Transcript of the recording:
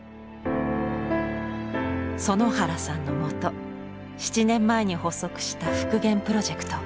園原さんのもと７年前に発足した復元プロジェクト。